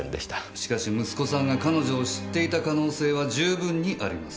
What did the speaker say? しかし息子さんが彼女を知っていた可能性は十分にあります。